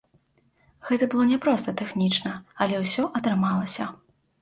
Гэта было няпроста тэхнічна, але ўсё атрымалася.